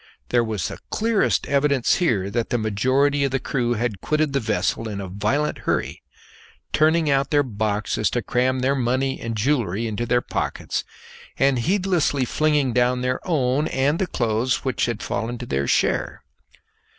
There was the clearest evidence here that the majority of the crew had quitted the vessel in a violent hurry, turning out their boxes to cram their money and jewellery into their pockets, and heedlessly flinging down their own and the clothes which had fallen to their share.